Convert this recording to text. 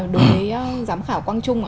đối với giám khảo quang trung